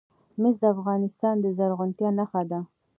مس د افغانستان د زرغونتیا نښه ده.